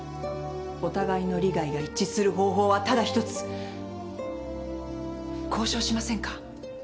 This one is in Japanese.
お互いの利害が一致する方法はただ一つ。交渉しませんか？